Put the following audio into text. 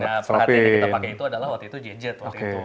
nah perhatian yang kita pakai itu adalah waktu itu gadget waktu itu